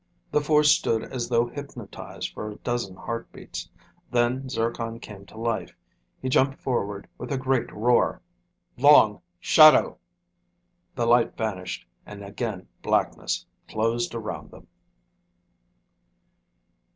The four stood as though hypnotized for a dozen heartbeats, then Zircon came to life. He jumped forward with a great roar. "Long Shadow!" The light vanished and again blackness closed around them.